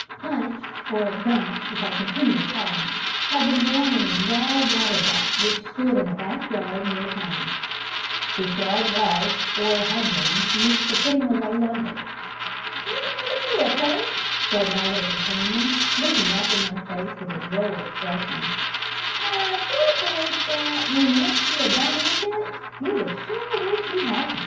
Punch, or Dumps, as I continued to call him, had been born in a dry water butt which stood in a back yard near the Thames. This yard was, or had been, used for putting away lumber. "It was a queer place," said my little companion, looking up in my face with a droll expression "a sort o' place that, when once you had gone into it, you was sure to wish you hadn't.